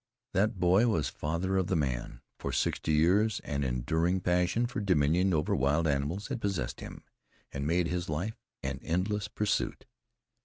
That boy was father of the man: for sixty years an enduring passion for dominion over wild animals had possessed him, and made his life an endless pursuit.